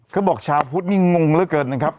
เขาบอกชาวพุทธนี่งงเหลือเกินนะครับ